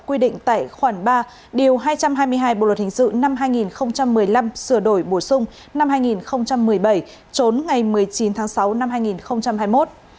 quy định tại khoản ba điều hai trăm hai mươi hai bộ luật hình sự năm hai nghìn một mươi năm sửa đổi bổ sung năm hai nghìn một mươi bảy trốn ngày một mươi chín tháng sáu năm hai nghìn hai mươi một